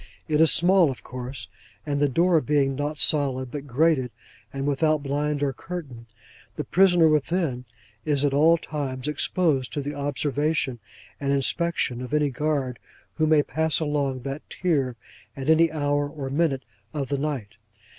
It is small, of course; and the door being not solid, but grated, and without blind or curtain, the prisoner within is at all times exposed to the observation and inspection of any guard who may pass along that tier at any hour or minute of the night.